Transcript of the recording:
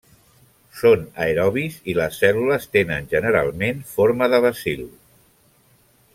Són aerobis i les cèl·lules tenen generalment forma de bacil.